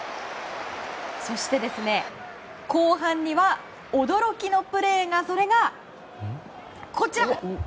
そして、後半には驚きのプレーが、こちら。